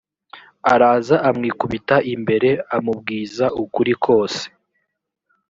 araza amwikubita imbere amubwiza ukuri kose